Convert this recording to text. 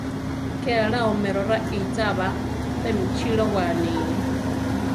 Ke alá oméro raícha ba, pemi chilówa ani.